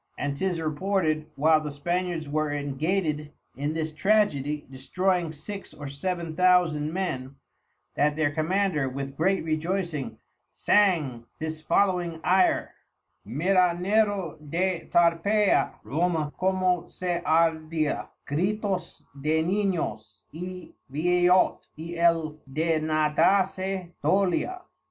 And 'tis reported, while the Spaniards were engated in this Tragedy destroying six or seven thousand Men, that their Commander with great rejoycing sang this following Ayre; Mira Nero de Tarpeia, Roma como se ardia, Gritos de Ninos _y Vieyot, y el de nadase dolia.